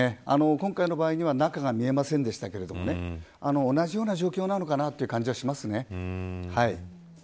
今回の場合には中が見えませんでしたが同じような状況なのかなという感じがしますね。